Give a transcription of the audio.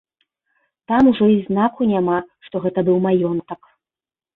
Там ужо і знаку няма, што гэта быў маёнтак.